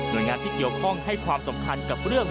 โดยงานที่เกี่ยวข้องให้ความสำคัญกับเรื่อง